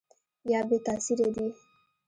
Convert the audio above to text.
یا بې تاثیره دي ؟